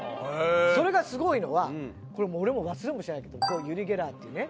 それがすごいのは俺も忘れもしないんだけどユリ・ゲラーっていうね